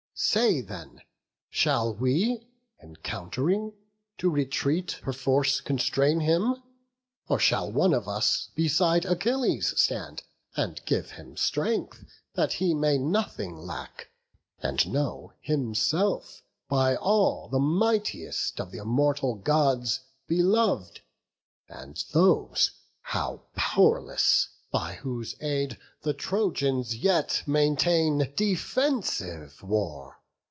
Say, then, shall we, encount'ring, to retreat Perforce constrain him? or shall one of us Beside Achilles stand, and give him strength That he may nothing lack; and know himself By all the mightiest of th' immortal Gods Belov'd, and those how pow'rless, by whose aid The Trojans yet maintain defensive war?